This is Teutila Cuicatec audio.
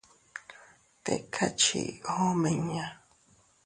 Tika chii omiña.